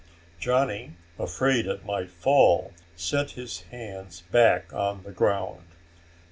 Johnny, afraid it might fall, set his hands back on the ground.